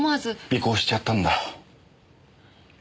尾行しちゃったんだ？